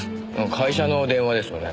会社の電話ですよね。